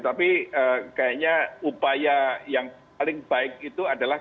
tapi kayaknya upaya yang paling baik itu adalah